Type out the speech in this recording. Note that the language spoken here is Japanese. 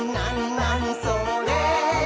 なにそれ？」